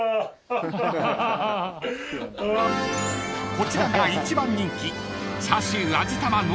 ［こちらが１番人気］